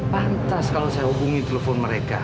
pantas kalau saya hubungi telepon mereka